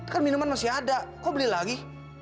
kan minuman masih ada kok beli lagi